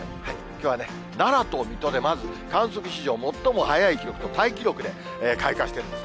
きょうはね、奈良と水戸で、まず観測史上最も早い記録とタイ記録で、開花しているんです。